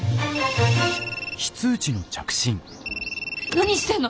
何してんの！